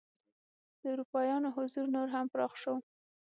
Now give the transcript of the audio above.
د اروپایانو حضور نور هم پراخ شو.